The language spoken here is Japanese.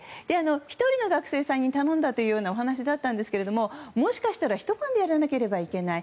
１人の学生さんに頼んだというお話だったんですけどもしかしたらひと晩でやらなければいけない。